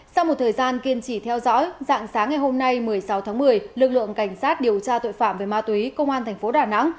sau một thời gian kiên trì theo dõi dạng sáng ngày hôm nay một mươi sáu tháng một mươi lực lượng cảnh sát điều tra tội phạm về ma túy công an thành phố đà nẵng